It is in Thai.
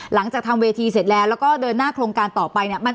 หลังจากทำเวทีเสร็จแล้วแล้วก็เดินหน้าโครงการต่อไปเนี่ย